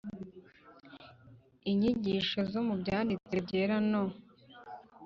inyigisho zo mu Byanditswe Byera no